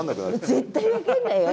絶対分かんないよ。